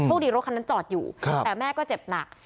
ดีรถคันนั้นจอดอยู่แต่แม่ก็เจ็บหนัก